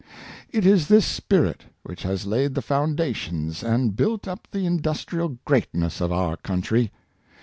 It is this spirit, which has laid the foundations and built up the industrial greatness of our country.